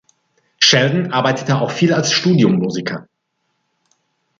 Sheldon arbeitete auch viel als Studiomusiker.